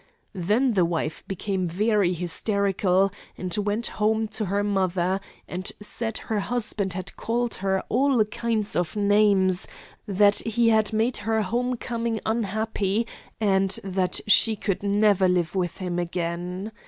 Then the wife became very hysterical and went home to her mother, and said her husband had called her all kinds of names; that he had made her homecoming unhappy, and that she could never live with him again.